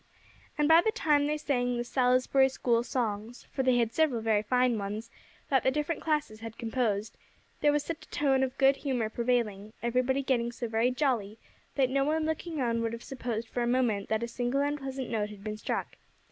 And by the time they sang the "Salisbury School Songs," for they had several very fine ones, that the different classes had composed, there was such a tone of good humor prevailing, everybody getting so very jolly, that no one looking on would have supposed for a moment that a single unpleasant note had been struck.